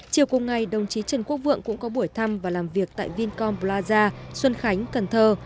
chiều cùng ngày đồng chí trần quốc vượng cũng có buổi thăm và làm việc tại vincom plaza xuân khánh cần thơ